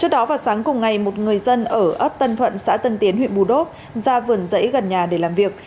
trước đó vào sáng cùng ngày một người dân ở ấp tân thuận xã tân tiến huyện bù đốt ra vườn dẫy gần nhà để làm việc